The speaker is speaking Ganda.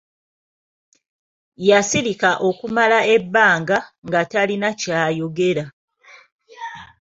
Yasirika okumala ebbanga nga talina kyayogera!